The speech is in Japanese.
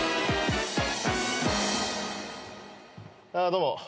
どうも。